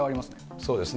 そうですね。